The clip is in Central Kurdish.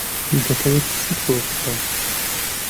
دەتەوێت چیت بۆ بکڕم؟